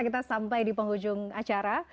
kita sampai di penghujung acara